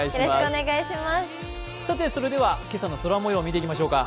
今朝の空もよう見ていきましょうか。